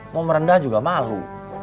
mau merendah juga malu